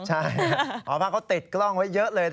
ใช่หอพักเขาติดกล้องไว้เยอะเลย